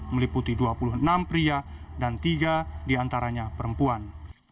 meliputi dua puluh enam pria dan tiga diantaranya perempuan